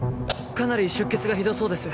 かなり出血がひどそうです